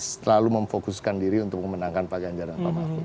selalu memfokuskan diri untuk memenangkan pak ganjar dan pak mahfud